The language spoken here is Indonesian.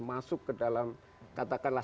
masuk ke dalam katakanlah